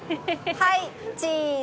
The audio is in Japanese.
はいチーズ。